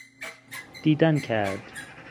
دیدن کرد